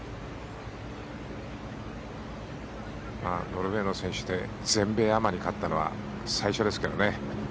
ノルウェーの選手で全米アマに勝ったのは最初ですからね。